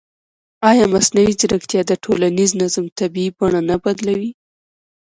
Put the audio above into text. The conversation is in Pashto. ایا مصنوعي ځیرکتیا د ټولنیز نظم طبیعي بڼه نه بدلوي؟